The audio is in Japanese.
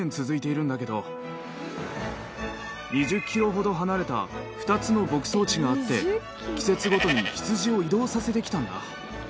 ２０ｋｍほど離れた２つの牧草地があって季節ごとに羊を移動させてきたんだ。